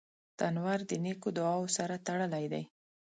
تنور د نیکو دعاوو سره تړلی دی